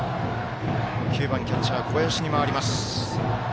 ９番キャッチャー小林に回ります。